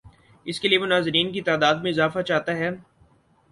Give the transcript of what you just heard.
اس کے لیے وہ ناظرین کی تعداد میں اضافہ چاہتا ہے۔